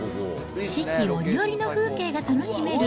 四季折々の風景が楽しめる